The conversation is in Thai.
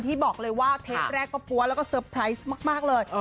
ที่บอกเลยว่าเทปแรกก็ปั๊วแล้วก็เตอร์ไพรส์มากเลย